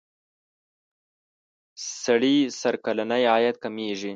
سړي سر کلنی عاید کمیږي.